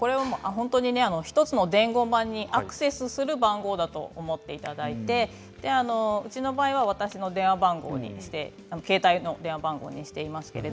１つの伝言板にアクセスする番号だと思っていただいてうちの場合は私の電話番号にして携帯の電話番号にしています。